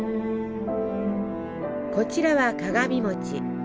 こちらは鏡餅。